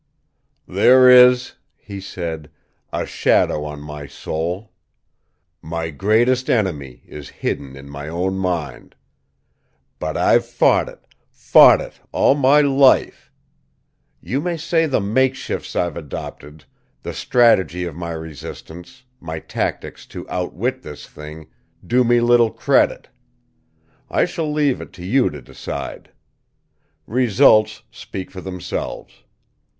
"There is," he said, "a shadow on my soul. My greatest enemy is hidden in my own mind. "But I've fought it, fought it all my life. You may say the makeshifts I've adopted, the strategy of my resistance, my tactics to outwit this thing, do me little credit. I shall leave it to you to decide. Results speak for themselves.